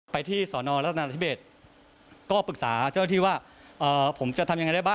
ไปที่สอนอรัฐนาธิเบศก็ปรึกษาเจ้าหน้าที่ว่าผมจะทำยังไงได้บ้าง